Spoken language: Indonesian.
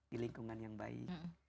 di lingkungan yang baik